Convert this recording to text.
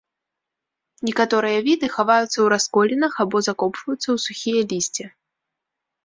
Некаторыя віды хаваюцца ў расколінах або закопваюцца ў сухія лісце.